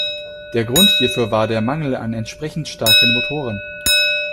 Der Grund hierfür war der Mangel an entsprechend starken Motoren.